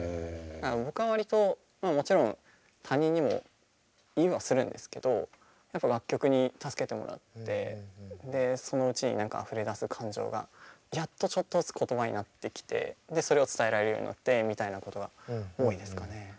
僕は割ともちろん他人にも言いはするんですけど楽曲に助けてもらってそのうちに何かあふれ出す感情がやっとちょっとずつ言葉になってきてそれを伝えられるようになってみたいなことが多いですかね。